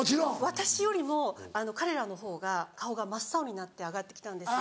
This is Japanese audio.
私よりも彼らの方が顔が真っ青になって上がってきたんですよ。